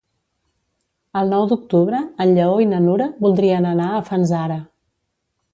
El nou d'octubre en Lleó i na Nura voldrien anar a Fanzara.